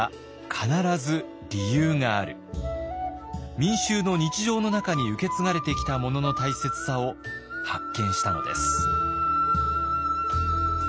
民衆の日常の中に受け継がれてきたものの大切さを発見したのです。